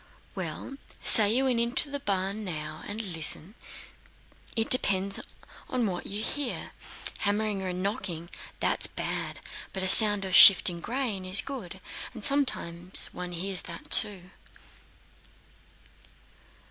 "Well, say you went to the barn now, and listened. It depends on what you hear; hammering and knocking—that's bad; but a sound of shifting grain is good and one sometimes hears that, too."